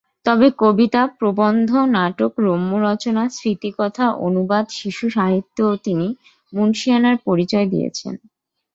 তবে কবিতা, প্রবন্ধ, নাটক, রম্যরচনা, স্মৃতিকথা, অনুবাদ, শিশুসাহিত্যেও তিনি মুনশিয়ানার পরিচয় দিয়েছেন।